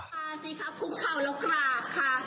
คุกเข้าสิครับคุกเข้าแล้วกราบค่ะ